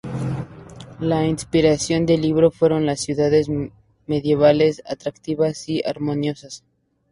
La inspiración del libro fueron las ciudades medievales: atractivas y armoniosas.